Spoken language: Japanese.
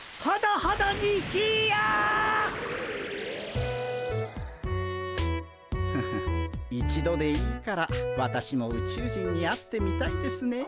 ハハッ一度でいいから私も宇宙人に会ってみたいですねえ。